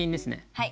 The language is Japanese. はい。